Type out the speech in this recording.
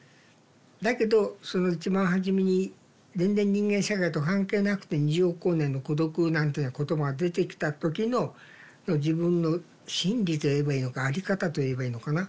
だけどその一番初めに全然人間社会と関係なくて「二十億光年の孤独」なんて言葉が出てきた時の自分の真理といえばいいのか在り方といえばいいのかな。